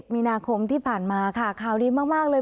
มีนาคมที่ผ่านมาค่ะข่าวดีมากเลย